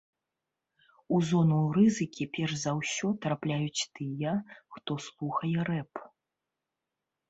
У зону рызыкі перш за ўсё трапляюць тыя, хто слухае рэп.